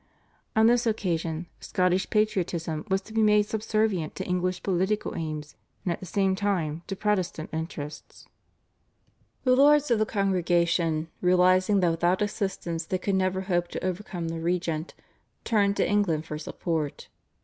On this occasion Scottish patriotism was to be made subservient to English political aims and at the same time to Protestant interests. The lords of the Congregation, realising that without assistance they could never hope to overcome the regent, turned to England for support.